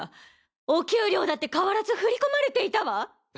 お給料だって変わらず振り込まれていたわ！